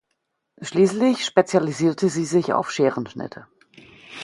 Schließlich spezialisierte sie sich auf Scherenschnitte.